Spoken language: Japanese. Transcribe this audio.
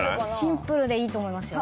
シンプルでいいと思いますよ。